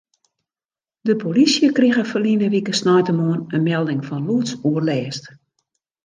De polysje krige ferline wike sneintemoarn in melding fan lûdsoerlêst.